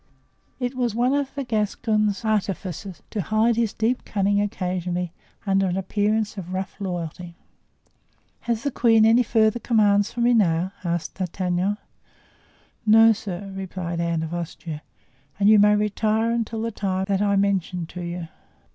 It was one of the Gascon's artifices to hide his deep cunning occasionally under an appearance of rough loyalty. "Has the queen any further commands for me now?" asked D'Artagnan. "No, sir," replied Anne of Austria, "and you may retire until the time that I mentioned to you."